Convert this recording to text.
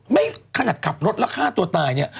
ไม่ขนาดขับรถแล้วฆ่าตัวตายเนี่ย